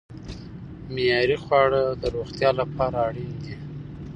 معیاري خواړه د روغتیا لپاره اړین دي.